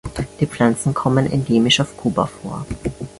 Die Pflanzen kommen endemisch auf Kuba vor.